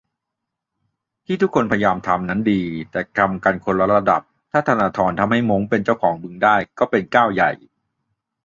ที่ทุกคนพยายามทำนั้นดี แค่ทำกันคนละระดับ ถ้าธนาธรทำให้ม้งเป็นเจ้าของบึงได้ ก็เป็นก้าวใหญ่